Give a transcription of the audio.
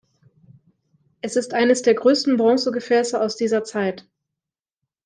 Es ist eines der größten Bronzegefäße aus dieser Zeit.